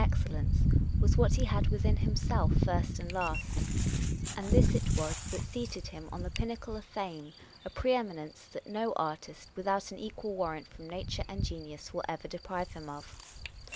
But his expression (his glory and his excellence) was what he had within himself, first and last ; and this it was that seated him on the pinnacle of fame, a pre eminence that no artist, without an equal warrant from nature and genius, will ever deprive him of.